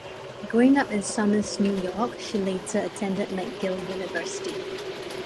Growing up in Somers, New York, she later attended McGill University.